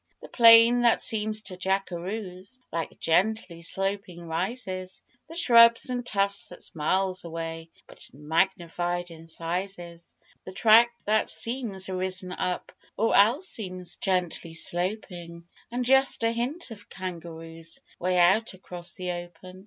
The plain that seems to Jackaroos Like gently sloping rises, The shrubs and tufts that's miles away But magnified in sizes; The track that seems arisen up Or else seems gently slopin', And just a hint of kangaroos Way out across the open.